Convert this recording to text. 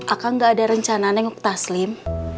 akan gak ada rencana nengok taslim